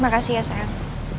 makasih ya sayang